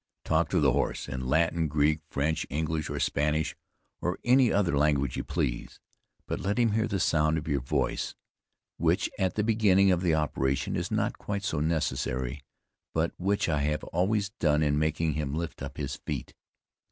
"Talk to the horse in Latin, Greek, French, English, or Spanish, or in any other language you please; but let him hear the sound of your voice, which at the beginning of the operation is not quite so necessary, but which I have always done in making him lift up his feet.